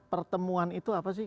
pertemuan itu apa sih